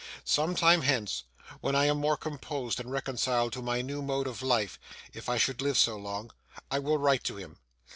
Some time hence, when I am more composed and reconciled to my new mode of life, if I should live so long, I will write to him.